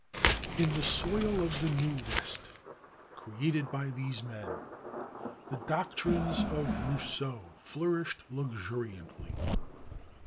In the soil of the new West, created by these men, the doctrines of Rousseau flourished luxuriantly.